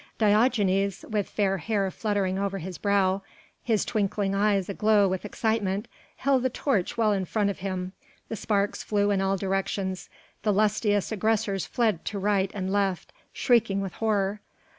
Diogenes, with fair hair fluttering over his brow, his twinkling eyes aglow with excitement, held the torch well in front of him, the sparks flew in all directions, the lustiest aggressors fled to right and left, shrieking with horror.